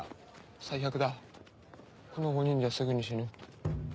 最悪だこの５人じゃすぐに死ぬ。